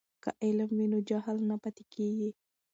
که علم وي نو جهل نه پاتې کیږي.